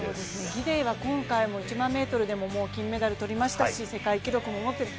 ギデイは今回も１００００ｍでメダルも取りましたし世界記録も持っている。